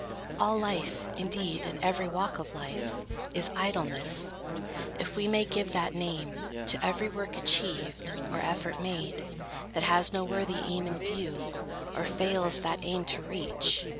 All life, indeed, in every walk of life, Is idleness, if we may give that name To every work achieved, or effort made, That has no worthy aim in view, or fails That aim to reach.